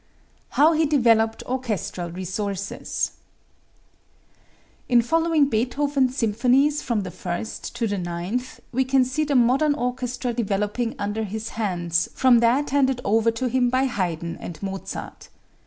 How He Developed Orchestral Resources. In following Beethoven's symphonies from the First to the Ninth, we can see the modern orchestra developing under his hands from that handed over to him by Haydn and Mozart.